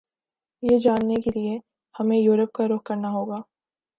یہ جاننے کیلئے ہمیں یورپ کا رخ کرنا ہوگا